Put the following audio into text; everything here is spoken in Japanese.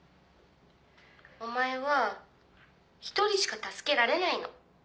お前は一人しか助けられないの。